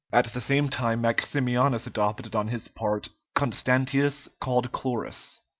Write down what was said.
At the same time Maximianus adopted on his part Constantius called Chlorus.